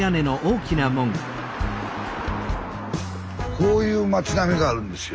こういう町並みがあるんですよ。